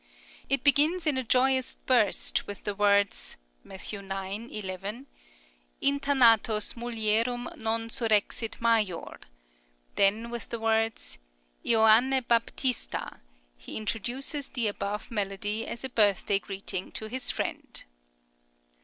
It begins in a joyous burst with the words (Matth. xi. 11), "Inter natos mulierum non surrexit maior"; then with the words "Ioanne Baptista" he introduces the above melody as a birthday greeting to his friend.